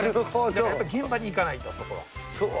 でもやっぱり現場に行かないそうか。